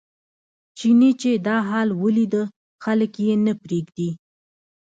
چیني چې دا حال ولیده خلک یې نه پرېږدي.